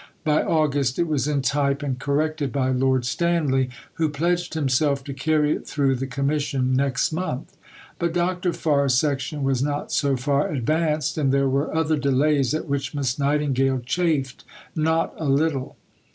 By August it was in type and corrected by Lord Stanley, who "pledged himself to carry it through the Commission next month." But Dr. Farr's section was not so far advanced, and there were other delays at which Miss Nightingale chafed not a little.